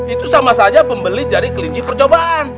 itu sama saja pembeli dari kelinci percobaan